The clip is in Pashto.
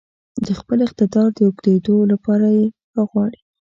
د خپل اقتدار د اوږدېدو لپاره يې راغواړي.